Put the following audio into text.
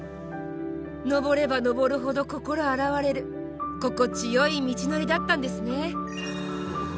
登れば登るほど心洗われる心地よい道のりだったんですね。